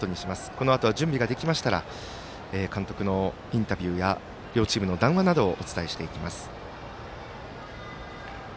このあとは準備ができましたら監督のインタビューや両チームの談話などをお伝えしていきます。